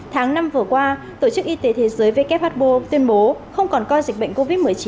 tháng năm vừa qua tổ chức y tế thế giới who tuyên bố không còn coi dịch bệnh covid một mươi chín